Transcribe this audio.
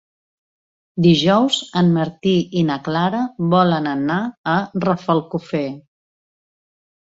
Dijous en Martí i na Clara volen anar a Rafelcofer.